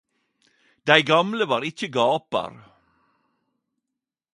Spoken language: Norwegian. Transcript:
Dei gamle var ikkje gapar